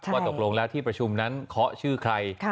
ว่าตกลงแล้วที่ประชุมนั้นเคาะชื่อใคร